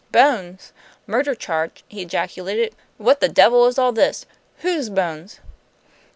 "Bones! Murder charge!" he ejaculated. "What the devil is all this? Whose bones?"